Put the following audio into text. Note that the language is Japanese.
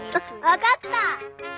わかった！